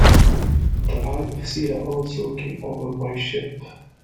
Talhae of Sillla also came over by ship.